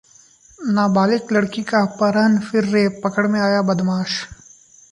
नाबालिग लड़की का अपहरण फिर रेप, पकड़ में आया बदमाश